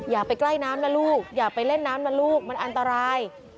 อย่าไปใกล้น้ำนะลูกอย่าไปเล่นน้ำนะลูกมันอันตราย